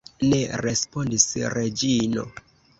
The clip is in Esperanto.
Ne, respondis Reĝino.